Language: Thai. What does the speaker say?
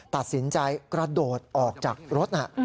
ตัดสินใจกระโดดออกจากรถ